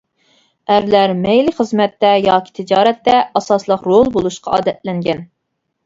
ئەرلەر مەيلى خىزمەتتە ياكى تىجارەتتە ئاساسلىق رول بولۇشقا ئادەتلەنگەن.